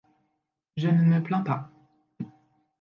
Je ne me plains pas